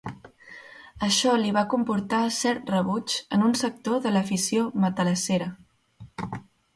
Això li va comportar cert rebuig en un sector de l'afició matalassera.